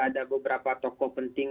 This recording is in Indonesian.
ada beberapa tokoh penting